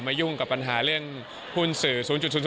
ยุ่งกับปัญหาเรื่องหุ้นสื่อ๐๐